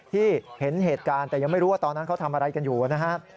ที่เห็นเหตุการณ์แต่ยังไม่รู้ว่าตอนนั้นเขาทำอะไรกันอยู่นะครับ